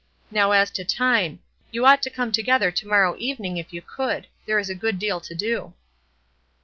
"Now as to time; you ought to come together to morrow evening if you could; there is a good deal to do."